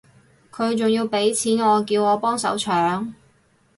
佢仲要畀錢我叫我幫手搶